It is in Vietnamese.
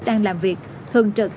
đang làm việc thường trực